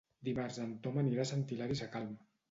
Dimarts en Tom anirà a Sant Hilari Sacalm.